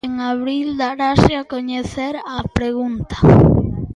En abril darase a coñecer a pregunta.